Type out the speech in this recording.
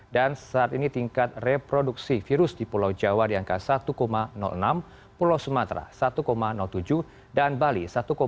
dan saat ini tingkat reproduksi virus di pulau jawa di angka satu enam pulau sumatera satu tujuh dan bali satu empat